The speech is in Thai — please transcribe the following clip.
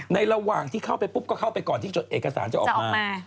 ระหว่างที่เข้าไปปุ๊บก็เข้าไปก่อนที่จดเอกสารจะออกมา